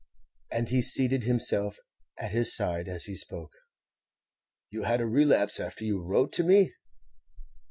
And he seated himself at his side as he spoke. "You had a relapse after you wrote to me?"